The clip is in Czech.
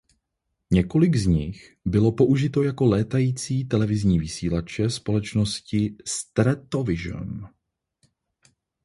Několik z nich bylo použito jako létající televizní vysílače společností Stratovision.